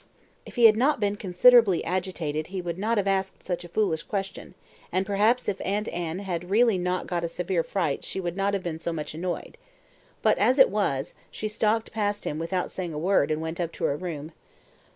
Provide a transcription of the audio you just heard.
If he had not been considerably agitated he would not have asked such a foolish question, and perhaps if Aunt Anne had really not got a severe fright she would not have been so much annoyed. But as it was, she stalked past him without saying a word and went up to her room.